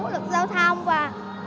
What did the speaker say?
luật giao thông và